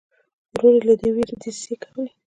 ورور یې له دې وېرې دسیسې کولې.